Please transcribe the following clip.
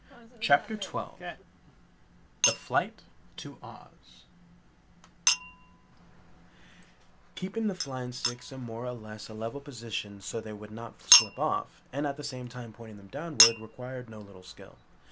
CHAPTER 12 The Flight to Oz Keeping the flying sticks in a more or less level position so they would not slip off, and at the same time pointing them downward, required no little skill.